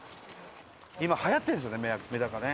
今はやってるんですよねメダカね。